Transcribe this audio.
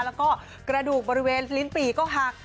แล้วก็กระดูกบริเวณลิ้นปี่ก็หัก